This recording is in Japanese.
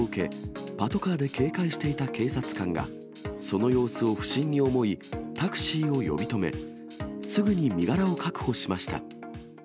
しかし、事件発生の連絡を受け、パトカーで警戒していた警察官が、その様子を不審に思い、タクシーを呼び止め、すぐに身柄を確保しました。